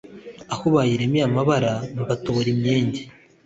Aho bayiremeye amabara mbatobora imyenge.